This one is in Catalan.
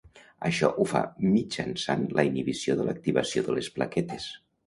Això ho fa mitjançant la inhibició de l'activació de les plaquetes.